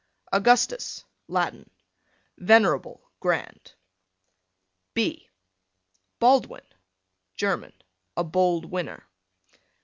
Augustus, Latin, venerable, grand. B Baldwin, German, a bold winner.